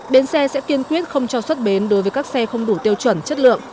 bến xe sẽ kiên quyết không cho xuất bến đối với các xe không đủ tiêu chuẩn chất lượng